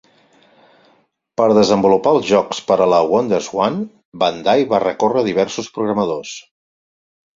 Per desenvolupar els jocs per a la WonderSwan, Bandai va recórrer a diversos programadors.